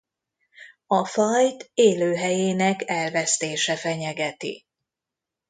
A fajt élőhelyének elvesztése fenyegeti.